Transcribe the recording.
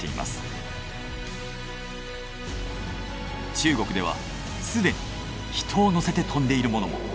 中国ではすでに人を乗せて飛んでいるものも。